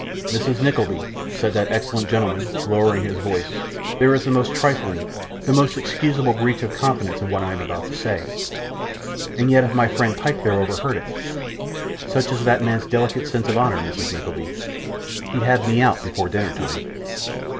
'Mrs. Nickleby,' said that excellent gentleman, lowering his voice, 'there is the most trifling, the most excusable breach of confidence in what I am about to say; and yet if my friend Pyke there overheard it such is that man's delicate sense of honour, Mrs. Nickleby he'd have me out before dinner time.